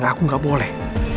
aku gak boleh